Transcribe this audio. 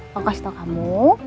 pokoknya setau kamu